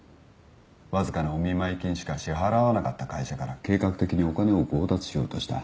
わずかなお見舞金しか支払わなかった会社から計画的にお金を強奪しようとした。